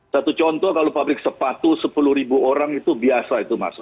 satu contoh kalau pabrik sepatu sepuluh orang itu biasa itu mas